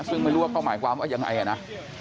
ซึ่งไม่รู้ว่าเขาหมายความว่ายังไงอ่ะนะ